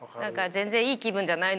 全然いい気分じゃないので。